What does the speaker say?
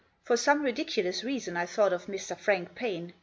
For some ridiculous reason I thought of Mr. Frank Paine.